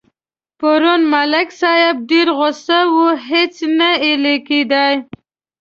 پرون ملک صاحب ډېر غوسه و هېڅ نه اېل کېدا.